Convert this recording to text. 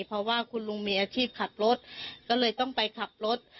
เพราะว่าคุณลุงมีอาชีพขับรถก็เลยต้องไปขับรถ